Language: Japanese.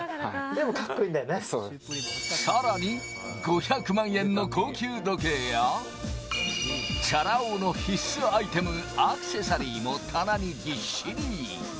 でもかっこいいさらに、５００万円の高級時計や、チャラ男の必須アイテム、アクセサリーも棚にぎっしり。